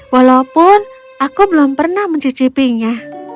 walaupun aku belum pernah mencicipinya